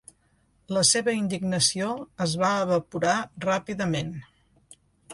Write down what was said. La seva indignació es va evaporar ràpidament.